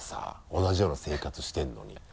同じような生活してるのに。